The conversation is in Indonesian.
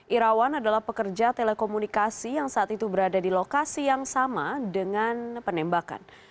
irawan adalah pekerja telekomunikasi yang saat itu berada di lokasi yang sama dengan penembakan